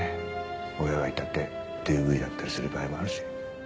親がいたってＤＶだったりする場合もあるし。